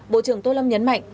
bộ trưởng tô lâm nhấn mạnh